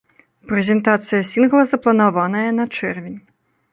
Прэзентацыя сінгла запланаваная на чэрвень.